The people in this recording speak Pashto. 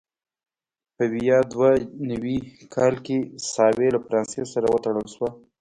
په ویا دوه نوي کال کې ساوې له فرانسې سره وتړل شوه.